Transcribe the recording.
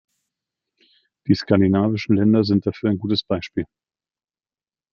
Die skandinavischen Länder sind dafür ein gutes Beispiel.